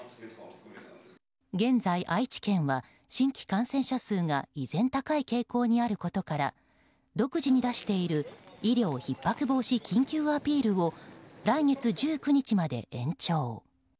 現在、愛知県は新規感染者数が依然高い傾向にあることから独自に出している医療ひっ迫防止緊急アピールを来月１９日まで延長。